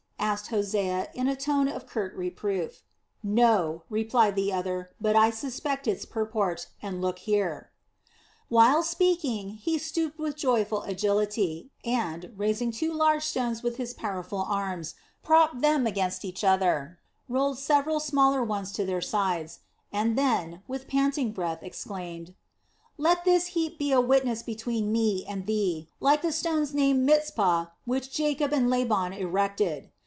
asked Hosea in a tone of curt reproof. "No," replied the other, "but I suspect its purport, and look here." While speaking he stooped with youthful agility and, raising two large stones with his powerful arms, propped them against each other, rolled several smaller ones to their sides, and then, with panting breath, exclaimed: "Let this heap be a witness between me and thee, like the stones named Mizpah which Jacob and Laban erected.